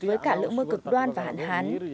với cả lượng mưa cực đoan và hạn hán